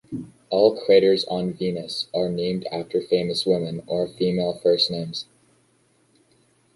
All craters on Venus are named after famous women or female first names.